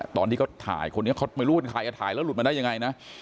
ตอนที่เขาถ่ายคนนี้เขาไม่รู้ว่าเป็นใครก็ถ่ายแล้วหลุดมาได้ยังไงนะ